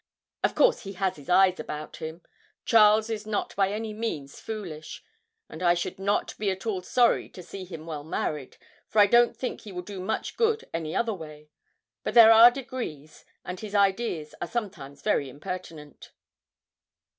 Of course he has his eyes about him. Charles is not by any means foolish; and I should not be at all sorry to see him well married, for I don't think he will do much good any other way; but there are degrees, and his ideas are sometimes very impertinent.'